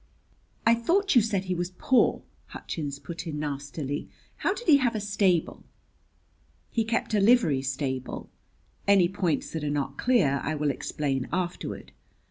"I thought you said he was poor," Hutchins put in nastily. "How did he have a stable?" "He kept a livery stable. Any points that are not clear I will explain afterward.